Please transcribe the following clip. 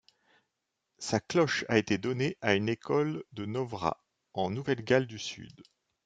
Sa cloche a été donnée à une école de Nowra, en Nouvelle-Galles du Sud.